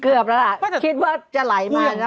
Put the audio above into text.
เกือบแล้วล่ะก็คิดว่าจะไหลมาแล้ว